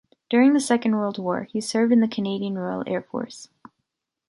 During the Second World War, he served in the Canadian Royal Air Force.